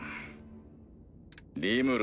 リムル